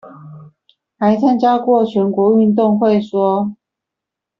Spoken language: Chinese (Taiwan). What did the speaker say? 還參加過全國運動會說